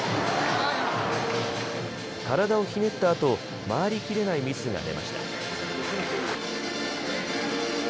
体をひねったあと、回りきれないミスが出ました。